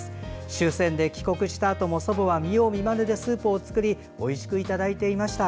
終戦で帰国したあとも祖母は見よう見まねでスープを作りおいしくいただいていました。